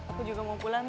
aku juga mau pulang